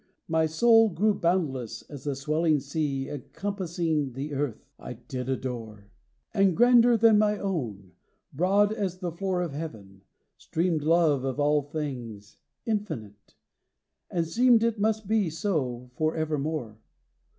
My soul grew boundless as the swelling sea. Encompassing the earth; I did adore! And grander than my own, broad as the floor Of heaven, streamed Love of all things — infinite! And seemed it must be so for evermore.